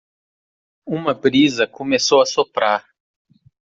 Uma brisa começou a soprar.